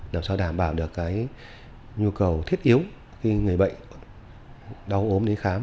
làm sao đảm bảo được cái nhu cầu thiết yếu khi người bệnh đau ốm đến khám